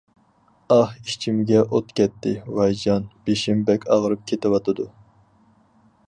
ئاھ، ئىچىمگە ئوت كەتتى، ۋايجان، بېشىم بەك ئاغرىپ كېتىۋاتىدۇ.